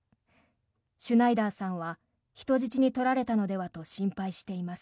シュナイダーさんは人質に取られたのではと心配しています。